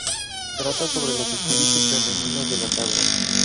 Trata sobre los espíritus femeninos de las aguas.